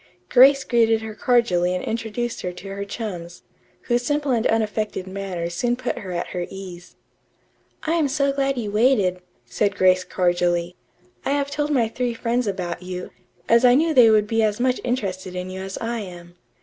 Grace greeted her cordially and introduced her to her chums, whose simple and unaffected manners soon put her at her ease. "I am so glad you waited," said Grace cordially. "I have told my three friends about you, as I knew they would be as much interested in you as I am.